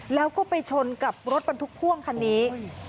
แล้วก็ไปชนกับรถบรรทุกพ่วงคันนี้